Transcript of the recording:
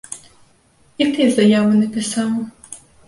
І ты заяву напісаў.